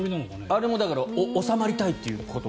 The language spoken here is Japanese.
あれもだから収まりたいということ。